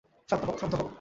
শান্ত হও, শান্ত হও!